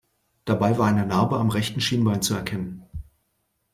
Dabei war eine Narbe am rechten Schienbein zu erkennen.